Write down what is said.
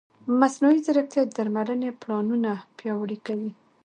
مصنوعي ځیرکتیا د درملنې پلانونه پیاوړي کوي.